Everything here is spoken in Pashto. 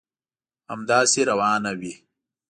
همداسي روانه وي.